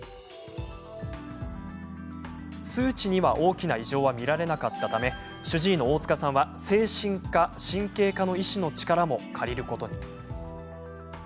数値に大きな異常は見られなかったため主治医の大塚さんは精神科・神経科の医師の力も借りることに。